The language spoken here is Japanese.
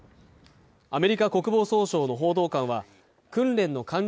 アメリカ国防総省の報道官は訓練の完了